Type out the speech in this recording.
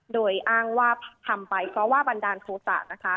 โดยอ้างว่าทำไปเพราะว่าบันดาลโทษะนะคะ